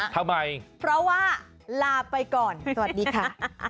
ทำไมเพราะว่าลาไปก่อนสวัสดีค่ะ